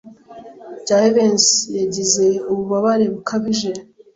Jivency yagize ububabare bukabije.